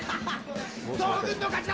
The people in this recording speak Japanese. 東軍の勝ちだ。